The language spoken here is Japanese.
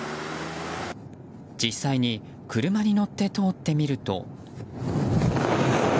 実際に車に乗って通ってみると。